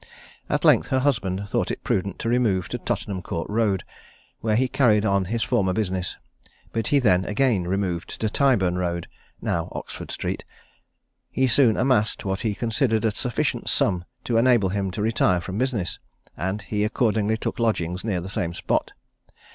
At length her husband thought it prudent to remove to Tottenham court road, where he carried on his former business, but he then again removed to Tyburn road (now Oxford street). He soon amassed what he considered a sufficient sum to enable him to retire from business, and he accordingly took lodgings near the same spot.